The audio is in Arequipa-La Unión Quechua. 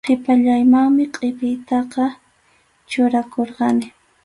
Qhipallamanmi qʼipiytaqa churakurqani.